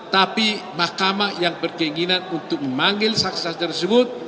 tapi makamah yang berkeinginan untuk memanggil sakses tersebut